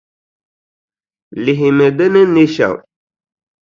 Lihimi di ni ne shɛm.